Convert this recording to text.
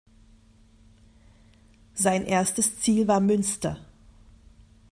Sein erstes Ziel war Münster.